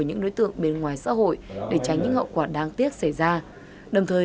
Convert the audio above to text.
những người không có tiền trả nợ